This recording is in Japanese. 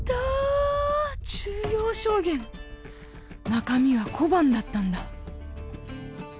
中身は小判だったんだ。